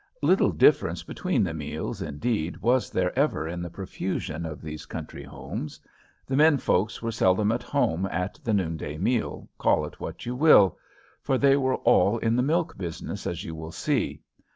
Little difference between the meals, indeed, was there ever in the profusion of these country homes. The men folks were seldom at home at the noon day meal, call it what you will. For they were all in the milk business, as you will see.